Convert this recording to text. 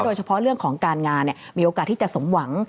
โดยเฉพาะเรื่องของการงานมีโอกาสที่จะสมหวัง